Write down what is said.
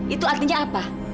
itu artinya apa